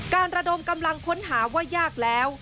ระดมกำลังค้นหาว่ายากแล้ว